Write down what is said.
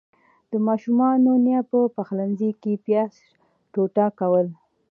د ماشومانو نيا په پخلنځي کې پياز ټوټه کول.